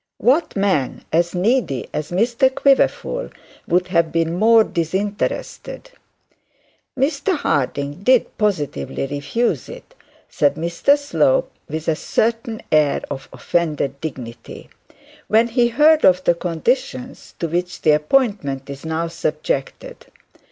What man, as needy as Mr Quiverful, would have been more disinterested? 'Mr Harding did positively refuse it,' said Mr Slope, with a certain air of offended dignity, 'when he heard of the conditions to which the appointment is now subjected.